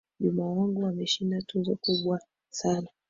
Juma wangu ameshinda tuzo kubwa sana.